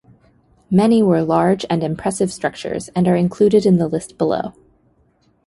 Many were large and impressive structures and are included in the list below.